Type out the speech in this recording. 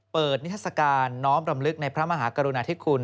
นิทัศกาลน้อมรำลึกในพระมหากรุณาธิคุณ